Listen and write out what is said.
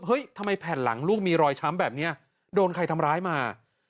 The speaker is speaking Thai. ทำไมแผ่นหลังลูกมีรอยช้ำแบบนี้โดนใครทำร้ายมา